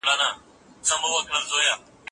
تاسو د کوم ډول کتابونو لوستل خوښوئ؟